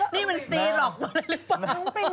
นี่มันซีหลอกมาเลยหรือเปล่า